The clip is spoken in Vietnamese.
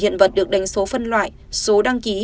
hiện vật được đánh số phân loại số đăng ký